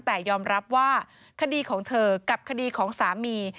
แต่ยอมรับว่าคดีของเธอกับคดีของสามี